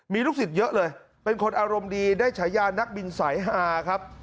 มีลูกศิษย์เยอะเลยเป็นคนอารมณ์ดีได้ฉายานักบินสายฮาครับ